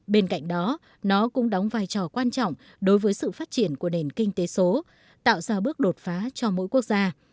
bên cạnh đó nó cũng đóng vai trò quan trọng đối với sự phát triển của nền kinh tế số tạo ra bước đột phá cho mỗi quốc gia